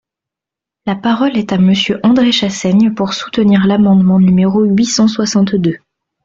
La parole est à Monsieur André Chassaigne, pour soutenir l’amendement numéro huit cent soixante-deux.